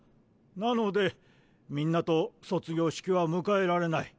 なのでみんなと卒業式は迎えられない。